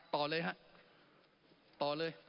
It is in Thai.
ต่อเลยครับ